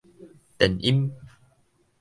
電音